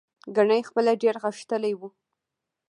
ګنې خپله ډېر غښتلی و.